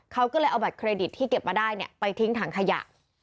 เขาก็เลยเอาบัตรเครดิตที่เก็บมาได้ไปทิ้งถังขยะ